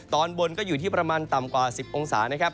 ตอนบนก็อยู่ที่ประมาณต่ำกว่า๑๐องศานะครับ